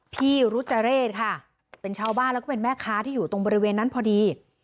พี่รุจเรศค่ะเป็นชาวบ้านแล้วก็เป็นแม่ค้าที่อยู่ตรงบริเวณนั้นพอดี